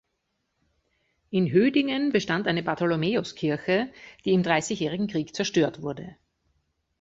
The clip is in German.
In Hödingen bestand eine Bartholomäuskirche, die im Dreißigjährigen Krieg zerstört wurde.